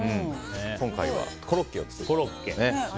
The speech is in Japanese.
今回はコロッケを作って。